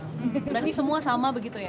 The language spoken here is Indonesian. berarti semua sama begitu ya